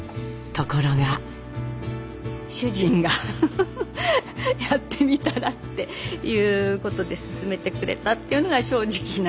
主人が「やってみたら」っていうことで勧めてくれたっていうのが正直なところですね。